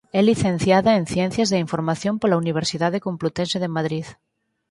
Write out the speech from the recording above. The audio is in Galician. É licenciada en Ciencias da Información pola Universidade Complutense de Madrid.